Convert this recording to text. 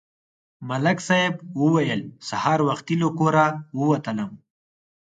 ملک صاحب وویل: سهار وختي له کوره ووتلم